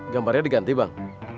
gambarnya diganti bang